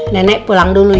nenek pulang dulu ya